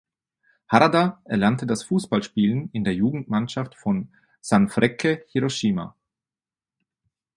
Harada erlernte das Fußballspielen in der Jugendmannschaft von Sanfrecce Hiroshima.